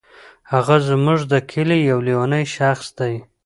هغه زمونږ دي کلې یو لیونی شخص دی.